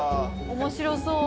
面白そう。